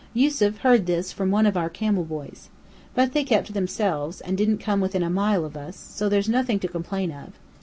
Yusef heard this from one of our camel boys. But they kept to themselves, and didn't come within a mile of us, so there's nothing to complain of.